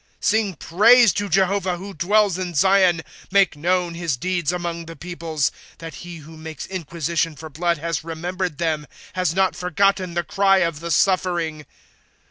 ^^ Sing praise to Jehovah, who dwells in Zion ; Make known his deeds among the peoples ;'^ That he who makes inquisition for blood has remembered them, Has not forgotten the cry of the suffering.